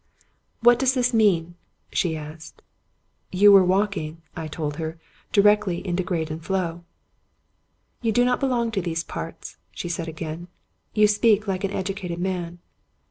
"What does this mean?" she asked. " You were walking," I told her, " directly into Graden Floe." "You do not belong to these parts," she said again. " You speak like an educated man."